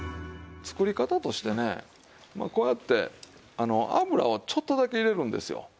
作り方としてねまあこうやって油をちょっとだけ入れるんですよ。